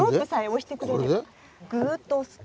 ぐっと押すと。